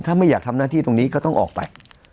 ถ้าไม่อยากทำหน้าที่ตรงนี้ก็ต้องออกไป